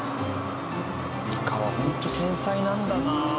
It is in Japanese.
イカはホント繊細なんだなあ。